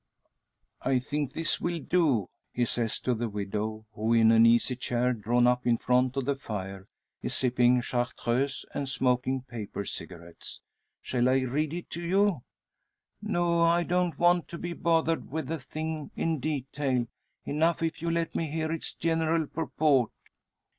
"I think this will do," he says to the widow, who, in an easy chair drawn up in front of the fire, is sipping Chartreuse, and smoking paper cigarettes. "Shall I read it to you?" "No. I don't want to be bothered with the thing in detail. Enough, if you let me hear its general purport."